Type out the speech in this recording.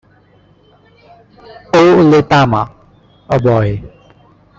"ʻO le tama", a boy.